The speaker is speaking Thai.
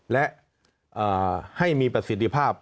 และให้มีประสิทธิภาพ